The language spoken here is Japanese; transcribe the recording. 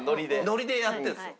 ノリでやってるんですよ。